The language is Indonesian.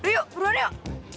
yuk berulang yuk